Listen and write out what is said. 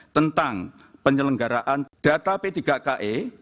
tentang penyelenggaraan data p tiga ka